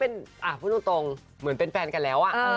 พูดตรงเหมือนเป็นแฟนกันแล้ว